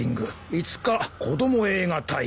「５日子供映画大会」